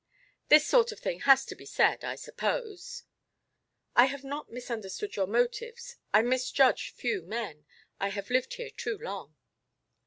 This sort of thing has to be said, I suppose " "I have not misunderstood your motives. I misjudge few men; I have lived here too long."